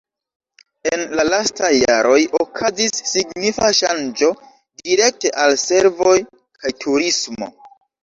En la lastaj jaroj okazis signifa ŝanĝo direkte al servoj kaj turismo.